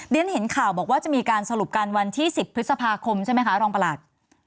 ฉันเห็นข่าวบอกว่าจะมีการสรุปกันวันที่๑๐พฤษภาคมใช่ไหมคะรองประหลัด